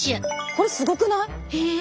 これすごくない？え！